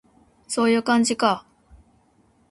そういう感じか